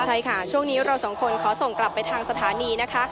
ใช่ค่ะช่วงนี้เราสองคนขอส่งกลับไปทางสถานีนะคะ